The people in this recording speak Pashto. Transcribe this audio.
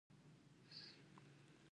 واسکټ د جامو سره ښه ښکاري.